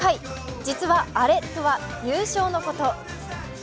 実は、アレとは優勝のこと。